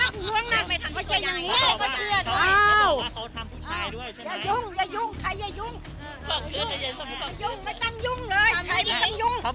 ขอขึ้น